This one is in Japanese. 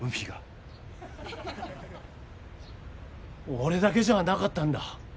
俺だけじゃなかったんだ。